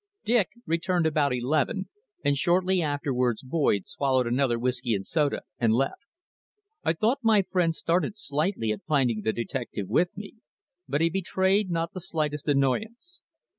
Dick returned about eleven, and shortly afterwards Boyd swallowed another whisky and soda and left. I thought my friend started slightly at finding the detective with me, but he betrayed not the slightest annoyance.